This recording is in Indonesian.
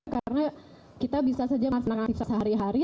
karena kita bisa saja masalah aktif sehari hari